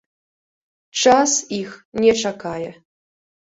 Час іх не чакае.